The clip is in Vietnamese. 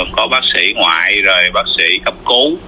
có bác sĩ ngoại rồi bác sĩ cấp cứu